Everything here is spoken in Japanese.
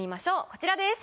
こちらです。